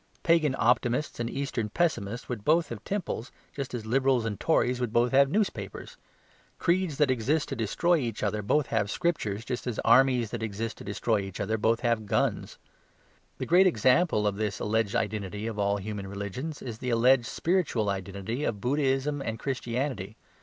Pagan optimists and Eastern pessimists would both have temples, just as Liberals and Tories would both have newspapers. Creeds that exist to destroy each other both have scriptures, just as armies that exist to destroy each other both have guns. The great example of this alleged identity of all human religions is the alleged spiritual identity of Buddhism and Christianity.